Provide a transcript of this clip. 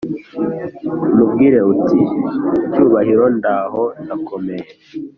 umubwire uti cyubahiro ndaho ndakomeye"